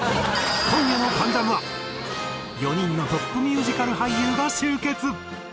今夜の『関ジャム』は４人のトップミュージカル俳優が集結！